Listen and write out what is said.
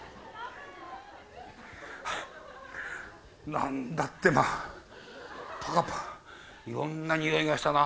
何だってまあいろんなにおいがしたな。